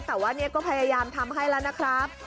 แต่ว่าเนี่ยก็พยายามทำให้แล้วนะครับ